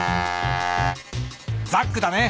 ザックだね。